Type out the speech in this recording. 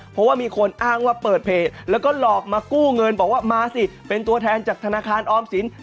เพราะว่ามีคนอ้างว่าเปิดเพจแล้วก็หลอกมากู้เงินบอกว่ามาสิเป็นตัวแทนจากธนาคารออมสิน